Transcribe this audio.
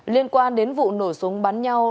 liên quan đến vụ nổ súng bắn nhau